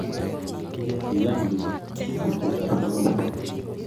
Kiyam ketit petut ab kemeut